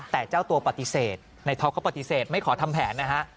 แต่เจ้าตัวปฏิเสธในท็อปก็ปฏิเสธไม่ขอทำแผนนะฮะ